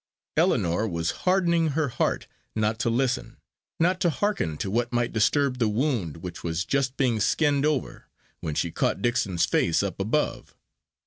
Ellinor was "hardening her heart" not to listen, not to hearken to what might disturb the wound which was just being skinned over, when she caught Dixon's face up above.